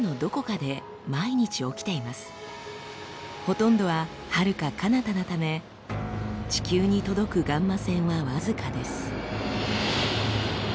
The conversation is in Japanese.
ほとんどははるかかなたなため地球に届くガンマ線は僅かです。